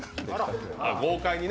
豪快にね。